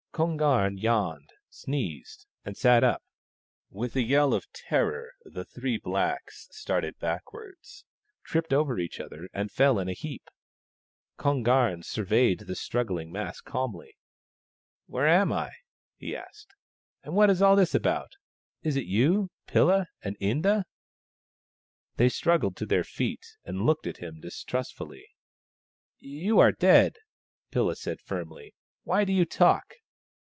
Kon garn yawned, sneezed, and sat up. With a yell of terror the three blacks started backwards, tripped over each other, and fell in a heap. Kon garn surveyed the strugghng mass calmly. " Where am I ?" he asked. " And what is all this about ? Is it you, Pilla and Inda ? They struggled to their feet and looked at him distrustfully. " You are dead," said Pilla firmly " Why do you talk